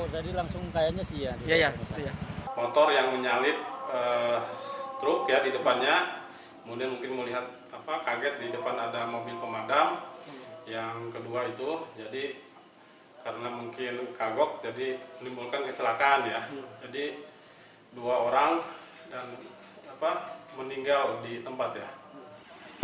jadi dua orang meninggal di tempat ya